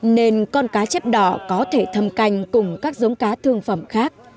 nên con cá chép đỏ có thể thâm canh cùng các giống cá thương phẩm khác